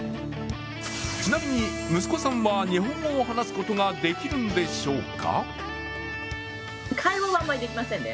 ちなみに息子さんは日本語を話すことができるんでしょうか。